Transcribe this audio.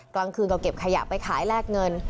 กลางคืนก็เก็บขยะไปขายแลกเงิน